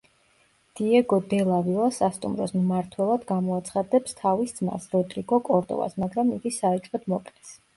დიეგო დელ ავილა სასტუმროს მმართველად გამოაცხადებს თავის ძმას როდრიგო კორდოვას, მაგრამ იგი საეჭვოდ მოკლეს.